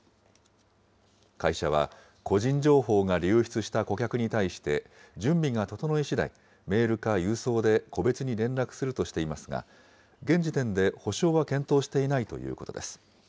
会社は、個人情報が流出した顧客に対して、準備が整いしだい、メールか郵送で個別に連絡するとしていますが、現時点で補償は検討していないということです。